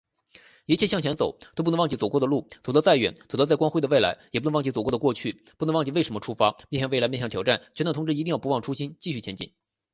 一切向前走，都不能忘记走过的路；走得再远、走到再光辉的未来，也不能忘记走过的过去，不能忘记为什么出发。面向未来，面对挑战，全党同志一定要不忘初心、继续前进。